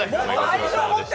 愛情持って。